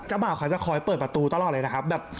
บ่าวเขาจะคอยเปิดประตูตลอดเลยนะครับ